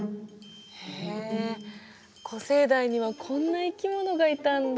へえ古生代にはこんな生き物がいたんだ。